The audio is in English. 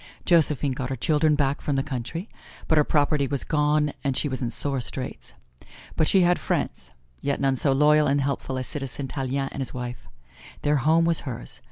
Josephine got her children back from the country, but her property was gone and she was in sore straits. But she had friends, yet none so loyal and helpful as Citizen Tallien and his wife. Their home was hers.